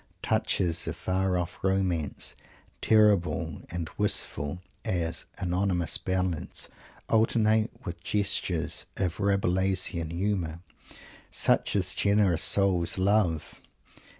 Touches of far off romance, terrible and wistful as "anonymous ballads," alternate with gestures of Rabelaisian humour, such as generous souls love.